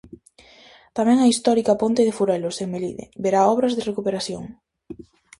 Tamén a histórica ponte de Furelos, en Melide, verá obras de recuperación.